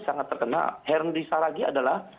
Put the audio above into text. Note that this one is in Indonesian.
sangat terkenal herndisa lagi adalah